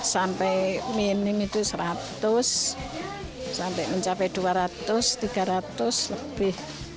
sampai minim itu seratus sampai mencapai dua ratus tiga ratus lebih